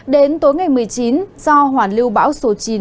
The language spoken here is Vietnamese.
đến tối ngày một mươi chín do hoàn lưu bão số chín kết hợp